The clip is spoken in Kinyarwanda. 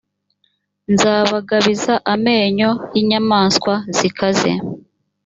nzabagabiza amenyo y’inyamaswa zikaze.